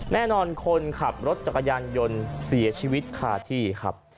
คนขับรถจักรยานยนต์เสียชีวิตคาที่ครับ